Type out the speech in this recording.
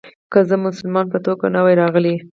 که زه د مسلمان په توګه نه وای راغلی.